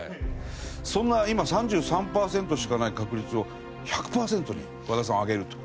そんな今３３パーセントしかない確率を１００パーセントに和田さん上げると。